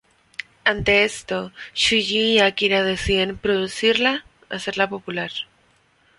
Ante esto, Shuji y Akira deciden "producirla", hacerla popular.